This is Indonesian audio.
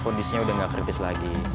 kondisinya udah gak kritis lagi